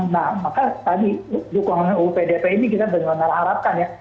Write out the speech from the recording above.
nah maka tadi dukungan uu pdp ini kita benar benar harapkan ya